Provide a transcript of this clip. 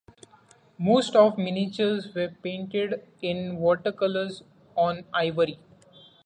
Most of miniatures were painted in watercolors on ivory.